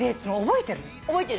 覚えてる。